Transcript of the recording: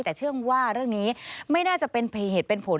แต่เชื่อว่าเรื่องนี้ไม่น่าจะเป็นเหตุเป็นผล